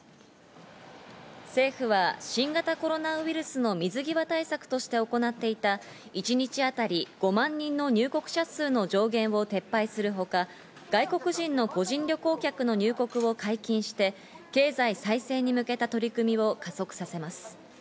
政府は新型コロナウイルスの水際対策として行っていた、一日あたり５万人の入国者数の上限を撤廃するほか、外国人の個人旅行客の入国を解禁して、経済再生に向けた取り組みを加速させます。